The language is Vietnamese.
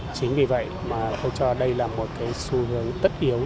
chính vì vậy tôi cho đây là một xu hướng tất yếu